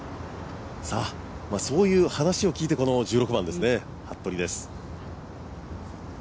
そういう話を聞いてこの１６番ですね、服部です。